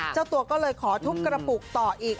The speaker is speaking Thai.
เจ้าตัวก็เลยขอทุบกระปุกต่ออีก